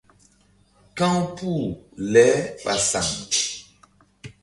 Ka̧w puh le ɓa saŋ.